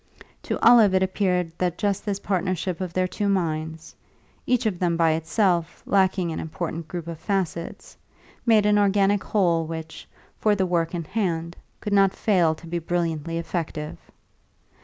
To Olive it appeared that just this partnership of their two minds each of them, by itself, lacking an important group of facets made an organic whole which, for the work in hand, could not fail to be brilliantly effective.